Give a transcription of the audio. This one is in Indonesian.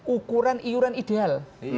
ukuran iuran ideal